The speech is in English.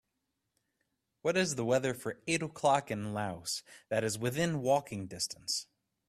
What is the weather for eight o'clock in Laos that is within walking distance